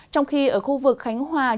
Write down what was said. trong khi ở khu vực khánh giang